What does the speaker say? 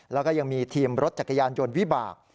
แล้วก็ยังมีทีมรถจักรยานยนต์วิบาก